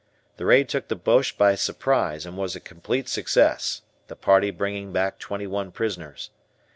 The raid took the Boches by surprise and was a complete success, the party bringing back twenty one prisoners.